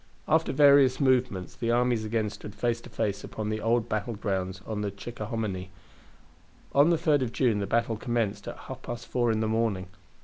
After various movements the armies again stood face to face upon the old battle grounds on the Chickahominy. On the 3d of June the battle commenced at half past four in the morning.